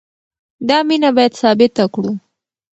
دا مینه باید ثابته کړو.